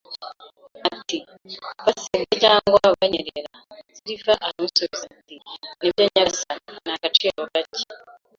Ati: “Basinze cyangwa banyerera.” Silver aramusubiza ati: "Nibyo, nyagasani," “N'agaciro gake